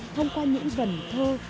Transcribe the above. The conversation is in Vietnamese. thông qua những vần thơ